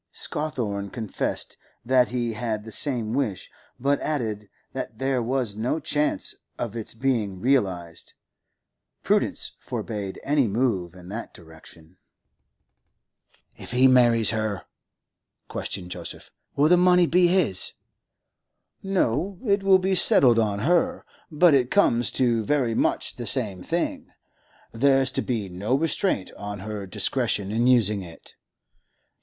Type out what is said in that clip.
Scawthorne confessed that he had the same wish, but added that there was no chance of its being realised; prudence forbade any move in that direction. 'If he marries her,' questioned Joseph, 'will the money be his?' 'No; it will be settled on her. But it comes to very much the same thing; there's to be no restraint on her discretion in using it.